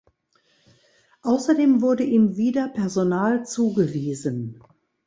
Außerdem wurde ihm wieder Personal zugewiesen.